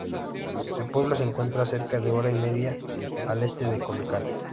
El pueblo se encuentra a cerca de hora y media al este de Culiacán.